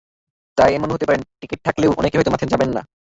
তাই এমনও হতে পারে, টিকিট থাকলেও অনেকে হয়তো মাঠে যাবেন না।